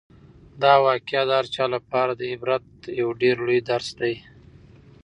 دا واقعه د هر چا لپاره د عبرت یو ډېر لوی درس دی.